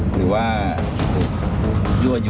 หรือว่ายั่ว